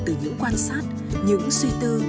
từ những quan sát những suy tư